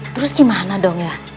terus gimana dong ya